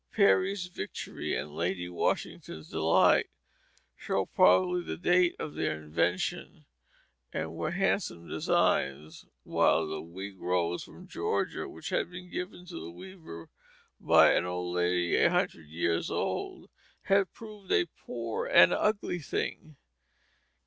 "Perry's Victory" and "Lady Washington's Delight" show probably the date of their invention, and were handsome designs, while the "Whig Rose from Georgia," which had been given to the weaver by an old lady a hundred years old, had proved a poor and ugly thing.